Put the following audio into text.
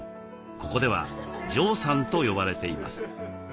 ここではＪＯＥさんと呼ばれています。